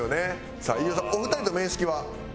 さあ飯尾さんお二人と面識は？